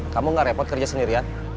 kamu gak repot kerja sendirian